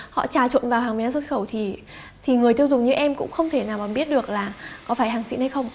họ trà trộn vào hàng viên xuất khẩu thì người tiêu dùng như em cũng không thể nào biết được là có phải hàng xịn hay không